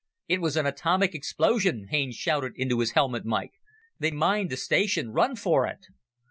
"It was an atomic explosion!" Haines shouted into his helmet mike. "They mined the station. Run for it!"